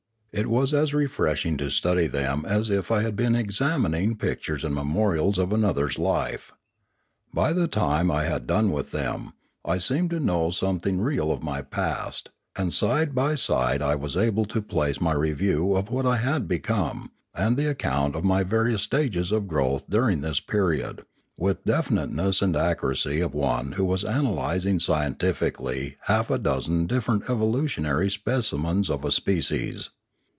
It was as refreshing to study them as if I had been examining pictures and memorials of another's life. By the time I had done with them, I seemed to know something real of my past; and side by side I was able to place my review of what I had become, and the account of my various stages of growth during this period, with the definiteness and accuracy of one who was analysing scientifically half a dozen different evo lutionary specimens of a species.